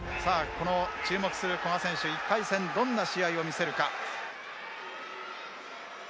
この注目する古賀選手１回戦どんな試合を見せるか。